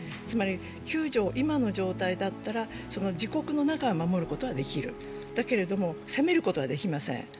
つまり、９条、今の状態だったら自国の中は守ることはできるだけれども攻めることはできません。